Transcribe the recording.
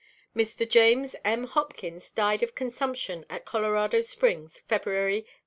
Mr. James M. Hopkins died of consumption at Colorado Springs, February, 1884.